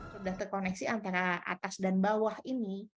sudah terkoneksi antara atas dan bawah ini